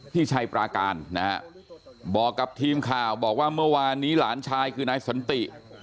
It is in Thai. ชัยปราการนะฮะบอกกับทีมข่าวบอกว่าเมื่อวานนี้หลานชายคือนายสันติ